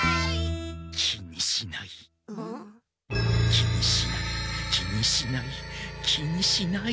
気にしない気にしない気にしない。